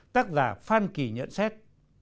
tác giả phan kỳ nhận xét